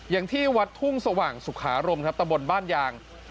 อย่างที่วัดทุ่งสว่างสุขารมครับตะบนบ้านยาง